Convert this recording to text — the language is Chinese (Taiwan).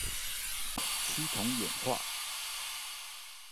趨同演化